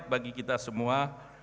bagi kita semua